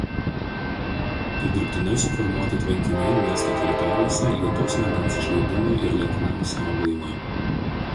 Tai dirbtinai suformuoti tvenkiniai miesto teritorijose lietaus vandens išleidimui ir laikinam saugojimui.